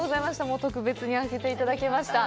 特別にあけていただきました。